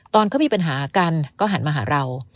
ตอนเขามีปัญหากันก็หันมาหาเรา